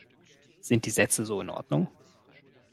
Sind die Sätze so in Ordnung?